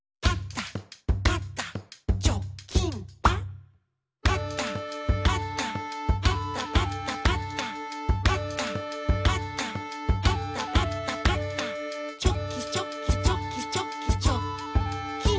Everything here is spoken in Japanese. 「パタパタパタパタパタ」「パタパタパタパタパタ」「チョキチョキチョキチョキチョッキン！」